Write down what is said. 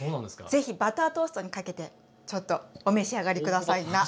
是非バタートーストにかけてちょっとお召し上がり下さいな。